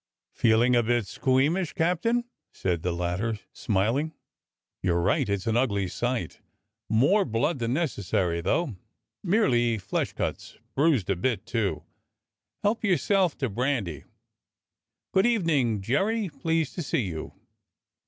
"Feeling a bit squeamish, Captain.^" said the latter, smiling. "You're right, it's an ugly sight. More 126 BEHIND THE SHUTTERS 127 blood than necessary, though. Merely flesh cuts. Bruised a bit, too! Help yourself to brandy. Good evening, Jerry; pleased to see you.